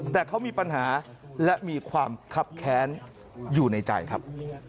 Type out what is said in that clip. แต่เขามีปัญหาและมีความคับแค้นอยู่ในใจครับ